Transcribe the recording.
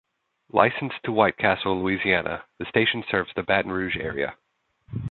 Licensed to White Castle, Louisiana, the station serves the Baton Rouge area.